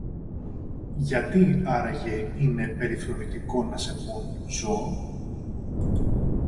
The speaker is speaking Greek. Γιατί άραγε είναι περιφρονητικό να σε πουν ζώο;